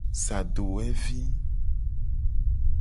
Sa dowevi.